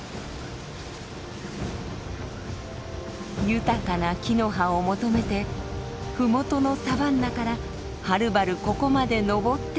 豊かな木の葉を求めて麓のサバンナからはるばるここまで登ってきたのです。